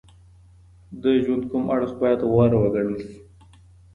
د ژوند کوم اړخ باید غوره وګڼل سي؟